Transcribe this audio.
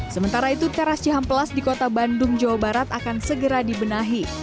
sementara itu teras cihamplas di kota bandung jawa barat akan segera dibenahi